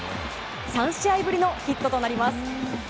３試合ぶりのヒットとなります。